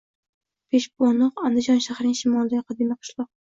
Beshbo‘inoq – Andijon shahrining shimolidagi qadimiy qishloq.